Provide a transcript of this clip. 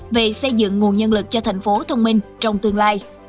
về xây dựng nguồn nhân lực cho tp hcm trong tương lai